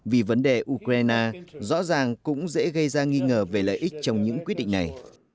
vì vấn đề ukraine rõ ràng cũng dễ gây ra nghi ngờ về lợi ích trong những quyết định này